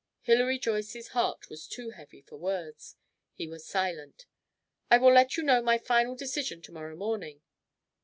Hilary Joyce's heart was too heavy for words. He was silent. "I will let you know my final decision to morrow morning."